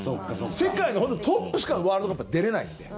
世界のトップしかワールドカップは出れないので。